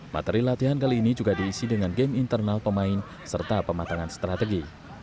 materi latihan kali ini juga diisi dengan game internal pemain serta pematangan strategi